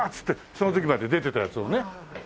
その時まで出てたやつをね。